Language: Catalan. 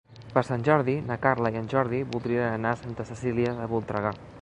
Per Sant Jordi na Carla i en Jordi voldrien anar a Santa Cecília de Voltregà.